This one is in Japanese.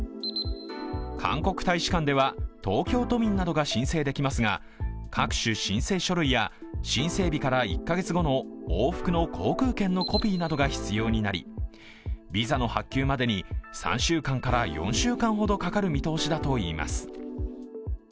韓国大使館では東京都民などが申請できますが各種申請書類や申請日から１カ月後の往復の航空券のコピーなどが必要になり、ビザの発給までに３週間から４週間かかる見通しだといいます。